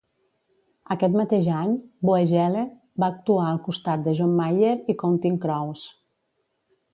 Aquest mateix any, Voegele va actuar al costat de John Mayer i Counting Crows.